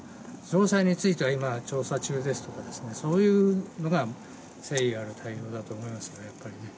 詳細については今調査中ですとかそういうのが誠意ある対応だと思いますけど、やっぱりね。